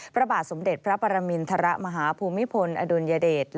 พระบาทสมเด็จพระปรมินทรมาฮภูมิพลอดุลยเดช